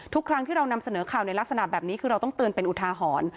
ทุกครั้งที่เรานำเสนอข่าวในลักษณะแบบนี้คือเราต้องเตือนเป็นอุทาหรณ์